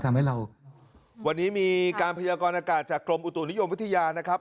ทำให้เราวันนี้มีการพยากรอากาศจากกรมอุตุนิยมวิทยานะครับ